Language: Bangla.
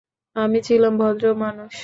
আমি ছিলাম ভদ্র মানুষ।